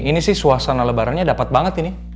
ini sih suasana lebarannya dapat banget ini